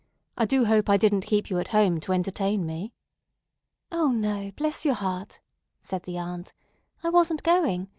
"I do hope I didn't keep you at home to entertain me." "O, no, bless your heart," said the aunt, "I wasn't going.